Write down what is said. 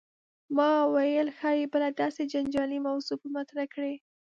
ما ویل ښايي بله داسې جنجالي موضوع به مطرح کړې.